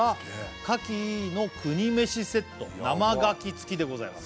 「かきの国めしセット生カキ付きでございます」